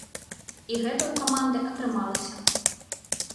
І гэта ў каманды атрымалася.